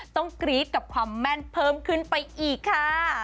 กรี๊ดกับความแม่นเพิ่มขึ้นไปอีกค่ะ